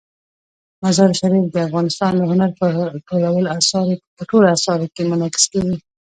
مزارشریف د افغانستان د هنر په ټولو اثارو کې منعکس کېږي.